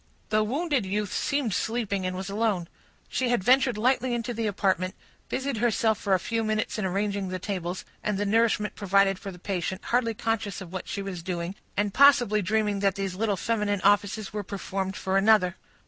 The wounded youth seemed sleeping, and was alone. She had ventured lightly into the apartment, and busied herself for a few minutes in arranging the tables, and the nourishment provided for the patient, hardly conscious of what she was doing, and possibly dreaming that these little feminine offices were performed for another.